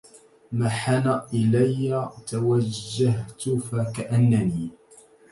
محن الي توجهت فكأنني